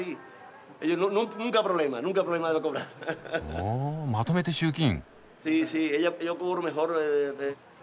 ほおまとめて集金。